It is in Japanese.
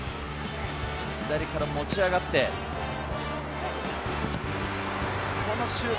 左から持ち上がって、このシュート。